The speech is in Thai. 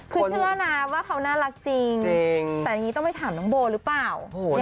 คือเชื่อนะว่าเขาน่ารักจริงแต่อย่างนี้ต้องไปถามน้องโบหรือเปล่า